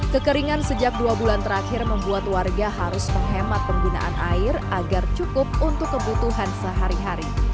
kekeringan sejak dua bulan terakhir membuat warga harus menghemat penggunaan air agar cukup untuk kebutuhan sehari hari